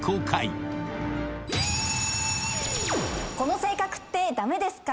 この性格ってダメですか？